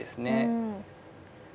うん。